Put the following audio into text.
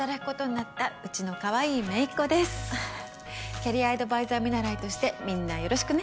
キャリアアドバイザー見習いとしてみんなよろしくね。